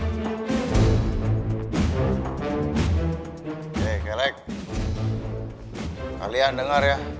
apa ya neng